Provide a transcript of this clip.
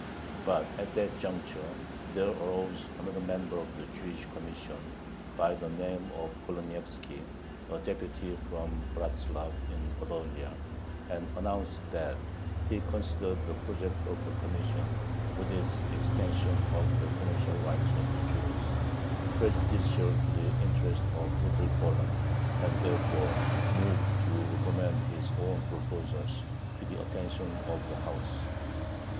But at that juncture there arose another member of the Jewish Commission, by the name of Kholonyevski, a deputy from Bratzlav in Podolia, and announced that he considered the project of the Commission, with its extension of the commercial rights of the Jews, prejudicial to the interests of Little Poland, and therefore moved to recommend his own proposals to the attention of the House.